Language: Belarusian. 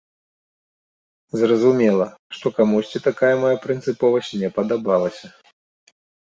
Зразумела, што камусьці такая мая прынцыповасць не падабалася.